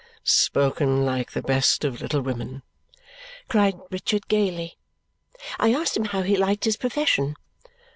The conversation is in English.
"Spoken like the best of little women!" cried Richard gaily. I asked him how he liked his profession.